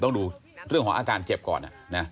ต้องดูเรื่องของอาการเจ็บก่อน